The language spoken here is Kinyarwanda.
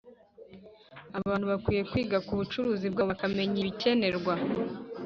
Abantu bakwiye kwiga ku bucuruzi bwabo bakamenya ibikenerwa